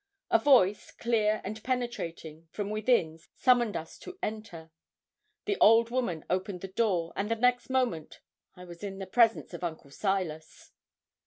A voice, clear and penetrating, from within summoned us to enter. The old woman opened the door, and the next moment I was in the presence of Uncle Silas.